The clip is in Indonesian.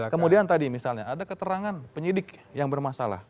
kemudian tadi misalnya ada keterangan penyidik yang bermasalah